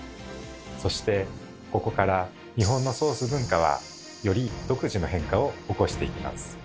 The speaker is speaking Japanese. そしてここから日本のソース文化はより独自の変化を起こしていきます。